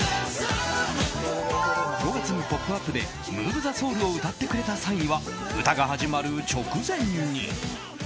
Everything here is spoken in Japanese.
５月に「ポップＵＰ！」で「ＭｏｖｅＴｈｅＳｏｕｌ」を歌ってくれた際には歌が始まる直前に。